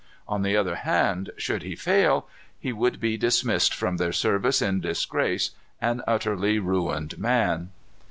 On the other hand, should he fail, he would be dismissed from their service in disgrace, an utterly ruined man.